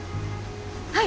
はい！